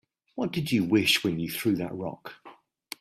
What'd you wish when you threw that rock?